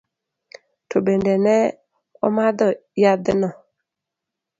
To bende ne omadho yadhno?